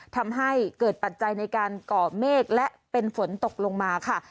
ทำให้เกิดปัจจัยในการก่อเมฆและเป็นฝนตกลงมาค่ะ